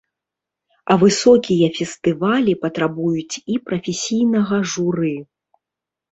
А высокія фестывалі патрабуюць і прафесійнага журы.